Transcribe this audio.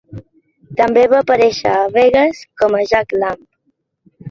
També va aparèixer a "Vegues" com a Jack Lamb.